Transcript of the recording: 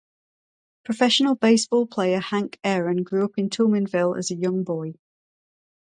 Professional baseball player Hank Aaron grew up in Toulminville as a young boy.